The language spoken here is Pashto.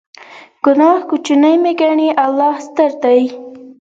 ګناه کوچنۍ مه ګڼئ، الله ستر دی.